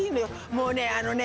もうねあのね